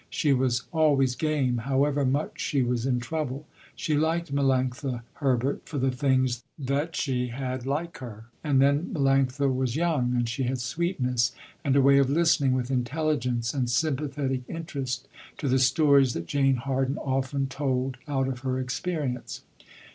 She was always game, however much she was in trouble. She liked Melanctha Herbert for the things that she had like her, and then Melanctha was young, and she had sweetness, and a way of listening with intelligence and sympathetic interest, to the stories that Jane Harden often told out of her experience.